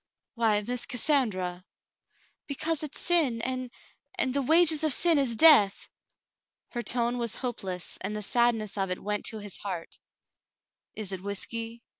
"Why, ]\Iiss Cassandra !" "Because it's sin, and — and *the wages of sin is death.' " Her tone was hopeless, and the sadness of it went to his heart. "Is it whiskey